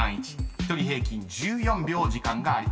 １人平均１４秒時間があります］